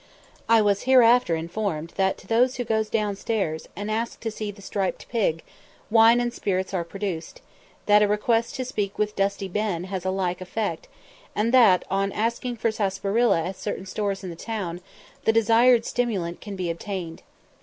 I was hereafter informed that to those who go down stairs, and ask to see the "striped pig" wine and spirits are produced; that a request to speak with "Dusty Ben" has a like effect, and that, on asking for "sarsaparilla" at certain stores in the town, the desired stimulant can be obtained.